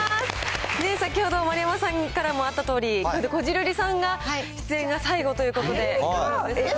先ほども丸山さんからあったとおり、きょうでこじるりさんが出演が最後ということで。